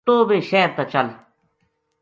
توہ بھی شہر تا چل